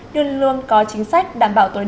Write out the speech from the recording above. luôn luôn có chính sách đảm bảo tối đa